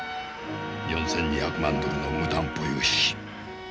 ４，２００万ドルの無担保融資。